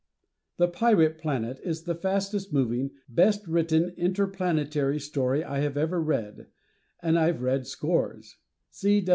"The Pirate Planet" is the fastest moving, best written interplanetary story I have ever read, and I've read scores.